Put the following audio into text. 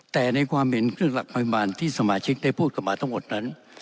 แต่ในความเห็นเครื่องหลักพยาบาลที่สมาชิกได้พูดกันมาทั้งหมดนั้น